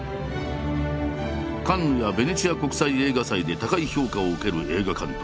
カンヌやベネチア国際映画祭で高い評価を受ける映画監督